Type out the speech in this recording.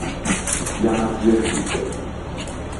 Ê an avue tutte.